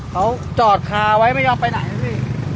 เขาจอดคาไว้ไม่ยอมไปไหนนะพี่